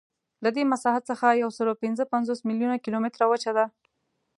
له دې مساحت څخه یوسلاوپینځهپنځوس میلیونه کیلومتره وچه ده.